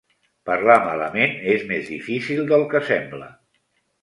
Parlar malament és més difícil del que sembla.